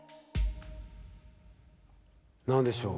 何でしょう？